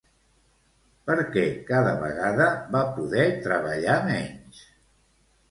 Per què cada vegada va poder treballar menys?